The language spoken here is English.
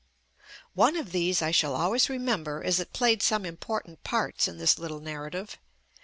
One of these I shall always remember as it played some important parts in this little nar rative.